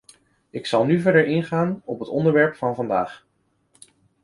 Ik zal nu verder ingaan op het onderwerp van vandaag.